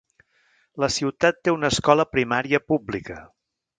La ciutat té una escola primària pública.